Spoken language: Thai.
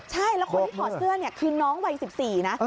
ใช่แล้วคนที่ถอดเสื้อเนี่ยคือน้องวัย๑๔นะ